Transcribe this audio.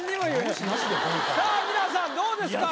さぁ皆さんどうですか？